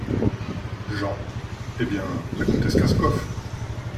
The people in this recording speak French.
Jean. — Eh bien ! la comtesse Kaskoff.